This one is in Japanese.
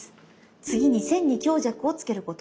次に線に強弱をつけること。